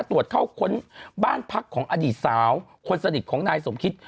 ตรวจเข้าค้นบ้านพักของอดีตสาวคนสนิทของนายสมคิต